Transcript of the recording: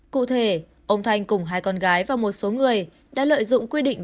cụ thể ông thanh cùng hai con gái và một số người đã lợi dụng quy định